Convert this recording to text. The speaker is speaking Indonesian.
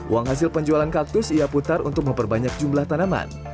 uang hasil penjualan kaktus ia putar untuk memperbanyak jumlah tanaman